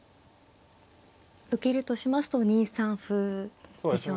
受けるとしますと２三歩でしょうか。